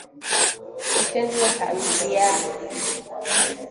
Utenzi wa Hamziyya